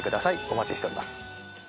お待ちしております。